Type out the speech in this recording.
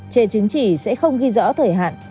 trên chứng chỉ sẽ không ghi rõ thời hạn